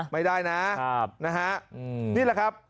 นี่แหละครับ